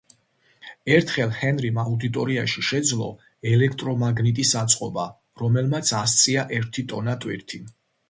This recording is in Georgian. ერთხელ ჰენრიმ აუდიტორიაში შეძლო ელექტრომაგნიტის აწყობა, რომელმაც ასწია ერთი ტონა ტვირთი.